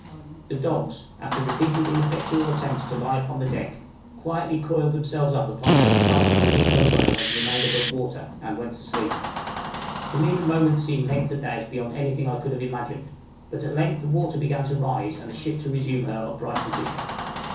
The dogs, after repeated ineffectual attempts to lie upon the deck, quietly coiled themselves up upon such parts of the lee gunwale as remained above water and went to sleep. [Illustration: The 'Fox' on a Rock near Buchan Island.] To me the moments seemed lengthened out beyond anything I could have imagined; but at length the water began to rise, and the ship to resume her upright position.